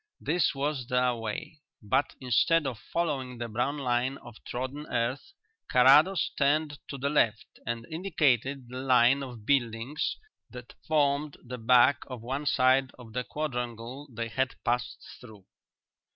This was their way, but instead of following the brown line of trodden earth Carrados turned to the left and indicated the line of buildings that formed the back of one side of the quadrangle they had passed through.